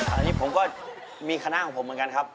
อันนี้ผมก็มีคณะของผมเหมือนกันครับ